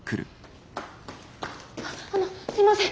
あっあのすいません